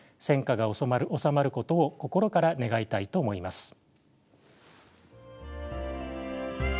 戦火が収まることを心から願いたいと思います。